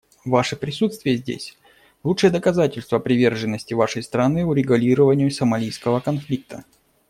Ваше присутствие здесь — лучшее доказательство приверженности Вашей страны урегулированию сомалийского конфликта.